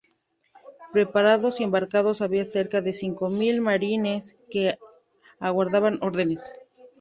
Preparados y embarcados había cerca de cinco mil "marines" que aguardaban órdenes.